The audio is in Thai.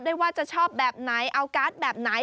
ว่าจะชอบแบบไหนเอาการ์ดแบบไหน